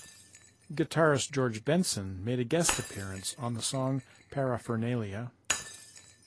Guitarist George Benson made a guest appearance on the song "Paraphernalia".